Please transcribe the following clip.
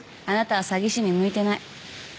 あなたは詐欺師に向いてない。